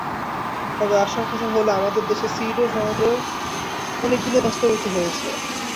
তবে, আশার কথা হলো আমাদের দেশে সিডও সনদের অনেকগুলোই বাস্তবায়িত হয়েছে।